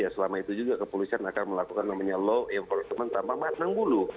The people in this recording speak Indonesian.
selama itu juga kepolisian akan melakukan low enforcement tanpa matang bulu